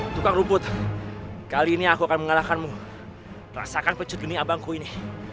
tukang rumput kali ini aku akan mengalahkanmu rasakan pecut dunia abangku ini